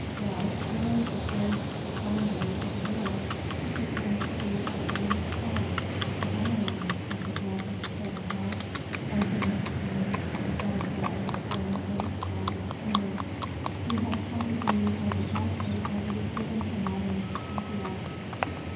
"Well, there is a grès de Flandre over there, who pretends to be a Hans Kraut, as I am," said the jug with the silver hat, pointing with his handle to a jug that lay prone on its side in a corner. "He has copied me as exactly as it is given to moderns to copy us.